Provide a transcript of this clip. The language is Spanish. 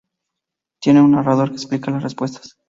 Tiene un narrador que explica las respuestas.